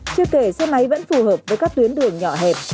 chưa kể xe máy vẫn phù hợp với các tuyến đường nhỏ hẹp